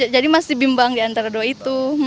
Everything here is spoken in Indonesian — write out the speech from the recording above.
jadi masih bimbang di antara dua itu